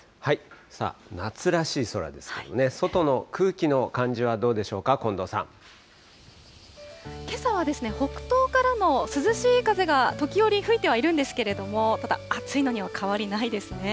さあ、夏らしい空ですけどね、外の空気の感じはどうでしょうか、けさはですね、北東からの涼しい風が時折吹いてはいるんですけれども、ただ、暑いのには変わりないですね。